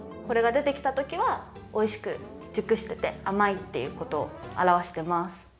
これがでてきたときはおいしくじゅくしててあまいっていうことをあらわしてます。